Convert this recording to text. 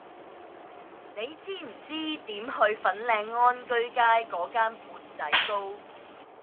你知唔知點去粉嶺安居街嗰間缽仔糕